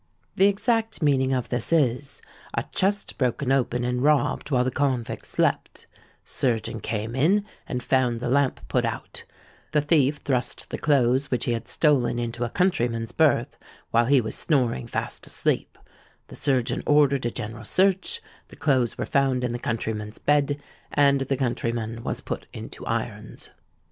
The exact meaning of this is:—'A chest broken open and robbed while the convicts slept: surgeon came in and found the lamp put out; the thief thrust the clothes which he had stolen into a countryman's berth, while he was snoring fast asleep; the surgeon ordered a general search; the clothes were found in the countryman's bed; and the countryman was put into irons.'